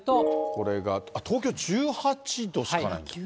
これが、東京１８度しかないんだ。